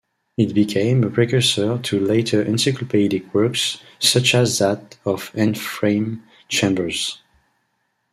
It became a precursor to later encyclopaedic works, such as that of Ephraim Chambers.